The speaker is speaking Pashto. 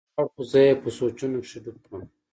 هغه ولاړ خو زه يې په سوچونو کښې ډوب کړم.